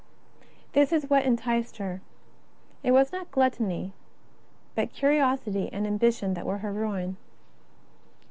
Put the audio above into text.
This was what enticed her. It was not gluttony, but curiosity and ambition that were her ruin.